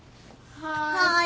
はい。